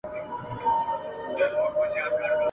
زه نه خوشحال یم زه نه رحمان یم !.